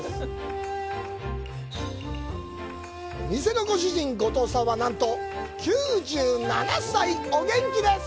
店のご主人、後藤さんはなんと９７歳です。